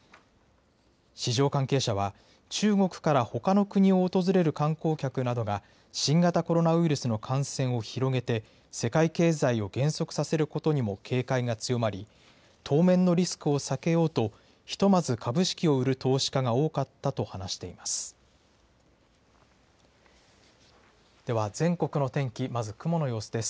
市場関係者は、中国からほかの国を訪れる観光客などが、新型コロナウイルスの感染を広げて、世界経済を減速させることにも警戒が強まり、当面のリスクを避けようと、ひとまず株式を売る投資家が多かったと話しています。